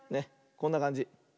こんなかんじ。